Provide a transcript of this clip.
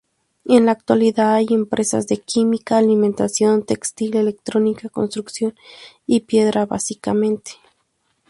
En la actualidad hay empresas de química, alimentación, textil, electrónica, construcción y piedra básicamente.